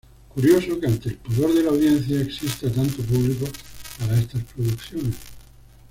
Curioso que ante el pudor de la audiencia, exista tanto público para estas producciones.